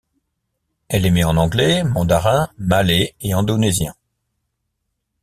Elle émet en anglais, mandarin, malais et indonésien.